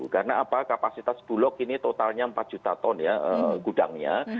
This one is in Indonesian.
karena kapasitas bulog ini totalnya empat juta ton ya gudangnya